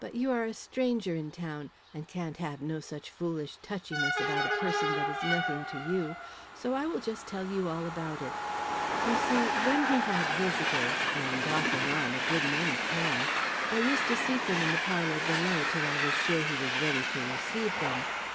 But you are a stranger in town, and can't have no such foolish touchiness about a person that is nothing to you, so I will just tell you all about it. You see, when he had visitors and off and on a good many came I used to seat them in the parlor below, till I was sure he was ready to receive them.